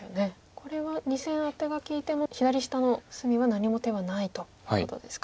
これは２線アテが利いても左下の隅は何も手はないということですか。